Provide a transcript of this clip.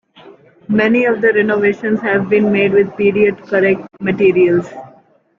Many of the renovations have been made with period correct materials.